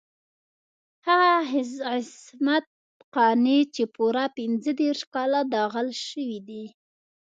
هغه عصمت قانع چې پوره پنځه دېرش کاله داغل شوی دی.